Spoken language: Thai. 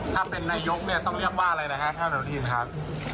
ถ้าเป็นนายกเนี่ยต้องเรียกว่าอะไรนะฮะหัวหน้าพักภูมิใจไทย